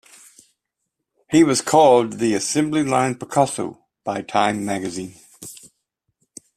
He was called the "Assembly-Line Picasso" by "Time" magazine.